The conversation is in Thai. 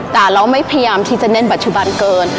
แต่เราไม่พยายามที่จะเน้นปัจจุบันเกิน